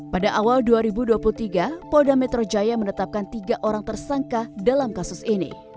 pada awal dua ribu dua puluh tiga polda metro jaya menetapkan tiga orang tersangka dalam kasus ini